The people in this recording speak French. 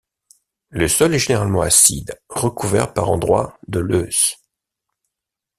Le sol est généralement acide, recouvert par endroits de lœss.